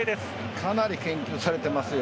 かなり研究されてますよ